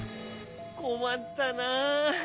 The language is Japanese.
こまったな。